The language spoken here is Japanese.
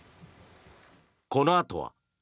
このあとは。